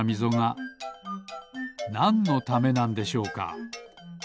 なんのためなんでしょうか？